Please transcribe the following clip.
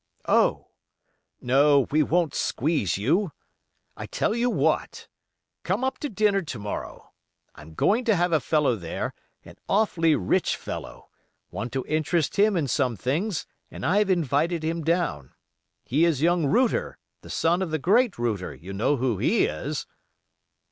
"Oh! no, we won't squeeze you. I tell you what, come up to dinner to morrow. I'm going to have a fellow there, an awfully rich fellow—want to interest him in some things, and I've invited him down. He is young Router, the son of the great Router, you know who he is?"